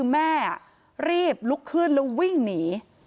แม่รีบลุกขึ้นแล้ววิ่งหนี